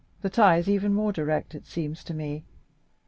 the tie is even more direct, it seems to me."